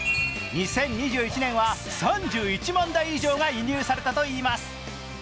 ２０２１年は３１万台以上が輸入されたといいます。